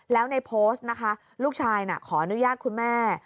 แล้วในโพสต์นะคะลูกชายน่ะขออนุญาตคุณแม่